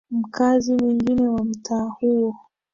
Mkazi mwengine wa mtaa huo